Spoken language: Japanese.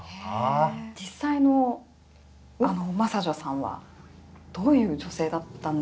実際の真砂女さんはどういう女性だったんですか？